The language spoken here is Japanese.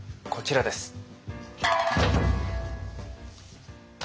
こちらです。